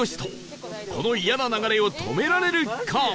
このイヤな流れを止められるか？